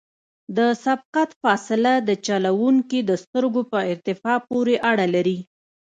د سبقت فاصله د چلوونکي د سترګو په ارتفاع پورې اړه لري